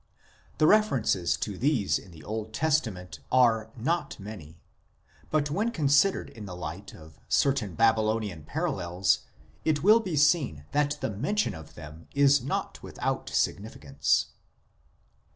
The references to these in the Old Testament are not many ; but when considered in the light of certain Babylonian parallels it will be seen that the men tion of them is not without significance.